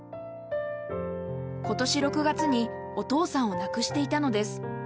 ことし６月にお父さんを亡くしていたのです。